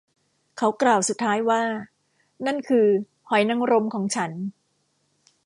เขากล่าวสุดท้ายว่า นั่นคือหอยนางรมของฉัน